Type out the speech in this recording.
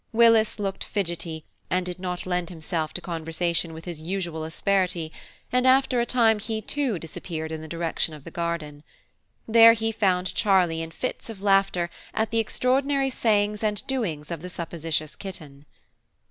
Willis looked fidgety, and did not lend himself to conversation with his usual asperity, and after a time he too disappeared in the direction of the garden. There he found Charlie in fits of laughter at the extraordinary sayings and doings of the supposititious kitten.